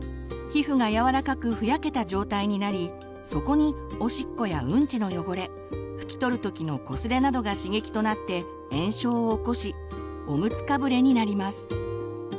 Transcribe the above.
皮膚が柔らかくふやけた状態になりそこにおしっこやうんちの汚れ拭き取るときのこすれなどが刺激となって炎症を起こし「おむつかぶれ」になります。